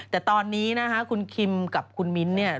แต่ตอนนี้นะคะคุณคิมกับคุณมิ้นท์เนี่ย